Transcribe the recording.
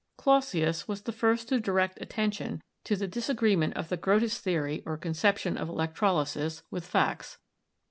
Clausius was the first to direct attention to the dis ELECTRO CHEMISTRY 253 agreement of the Grotthus theory or conception of elec trolysis with facts.